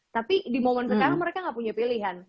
tapi di momen sekarang mereka nggak punya pilihan